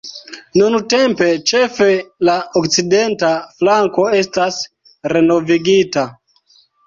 Nuntempe ĉefe la okcidenta flanko estas renovigita.